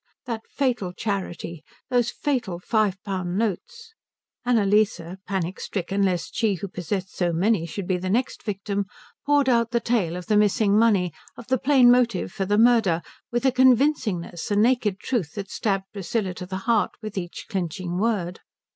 That fatal charity; those fatal five pound notes. Annalise, panic stricken lest she who possessed so many should be the next victim, poured out the tale of the missing money, of the plain motive for the murder, with a convincingness, a naked truth, that stabbed Priscilla to the heart with each clinching word.